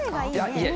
いえ